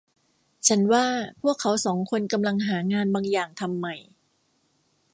ฉันว่าพวกเขาสองคนกำลังหางานบางอย่างทำใหม่